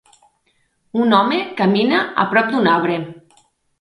Un home camina a prop d'un arbre.